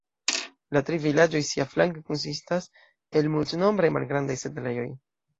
La tri vilaĝoj siaflanke konsistas el multnombraj malgrandaj setlejoj.